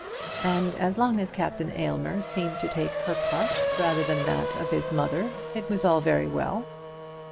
And as long as Captain Aylmer seemed to take her part rather than that of his mother it was all very well.